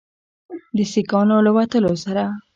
د سیکانو له وتلو سره